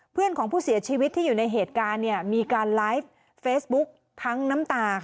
เพื่อนของผู้เสียชีวิตที่อยู่ในเหตุการณ์เนี่ยมีการไลฟ์เฟซบุ๊คทั้งน้ำตา